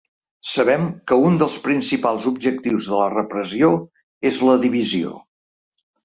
Sabem que un dels principals objectius de la repressió és la divisió.